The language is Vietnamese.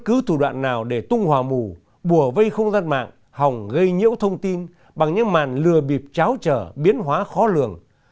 cứ thủ đoạn nào để tung hòa mù bùa vây không gian mạng hỏng gây nhiễu thông tin bằng những màn lừa bịp cháo trở biến hóa khó lường